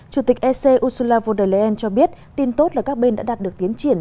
chủ tịch ec ursula von der leyen cho biết tin tốt là các bên đã đạt được tiến triển